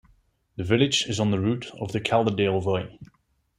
The village is on the route of the Calderdale Way.